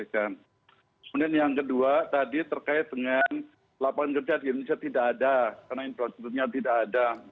kemudian yang kedua tadi terkait dengan lapangan kerja di indonesia tidak ada karena infrastrukturnya tidak ada